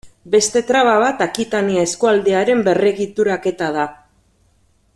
Beste traba bat Akitania eskualdearen berregituraketa da.